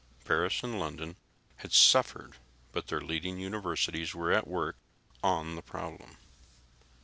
Paris and London had suffered, but their leading universities were at work on the problem.